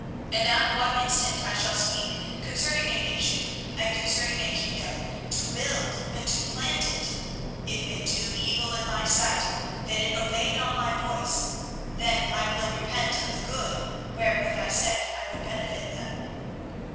24:018:009 And at what instant I shall speak concerning a nation, and concerning a kingdom, to build and to plant it; 24:018:010 If it do evil in my sight, that it obey not my voice, then I will repent of the good, wherewith I said I would benefit them.